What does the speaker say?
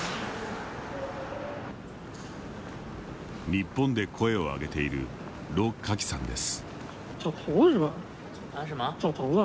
日本で声を上げている盧家煕さんです。